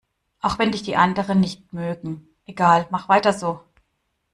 Auch wenn dich die anderen nicht mögen, egal, mach weiter so!